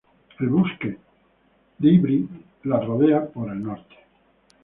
El bosque de Ivry las rodea por el norte.